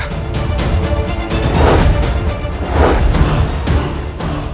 kenapa banyak orang yang menyebabkan ini